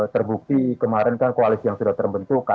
terbukti kemarin kan koalisi yang sudah terbentuk